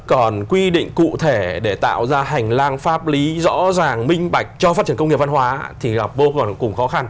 còn quy định cụ thể để tạo ra hành lang pháp lý rõ ràng minh bạch cho phát triển công nghiệp văn hóa thì gặp vô cùng khó khăn